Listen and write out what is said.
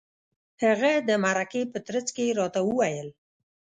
هغه د مرکې په ترڅ کې راته وویل.